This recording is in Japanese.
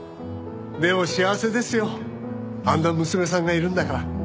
でも幸せですよあんな娘さんがいるんだから。